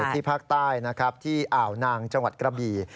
ที่ภาคใต้ที่อ่าวนางจังหวัดกระบี